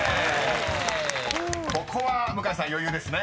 ［ここは向井さん余裕ですね］